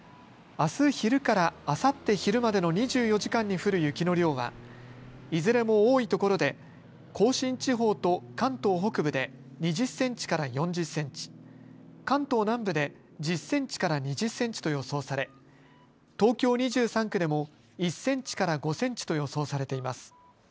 あす昼からあさって昼までの２４時間に降る雪の量はいずれも多いところで甲信地方と関東北部で２０センチから４０センチ、関東南部で１０センチから２０センチと予想され東京２３区でも１センチから５センチと予想されています。